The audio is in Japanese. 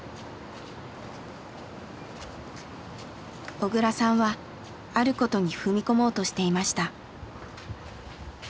小倉さんはあることに踏み込もうとしていました。